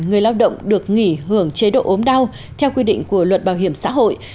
người lao động được nghỉ hưởng chế độ ốm đau theo quy định của luật bảo hiểm xã hội